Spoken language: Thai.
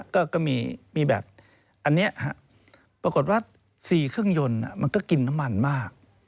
ก็มีแบบอันนี้ปรากฏว่า๔เครื่องยนต์มันก็กินน้ำมันมาก